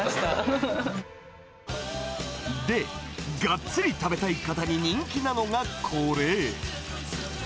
で、がっつり食べたい方に人気なのがこれ。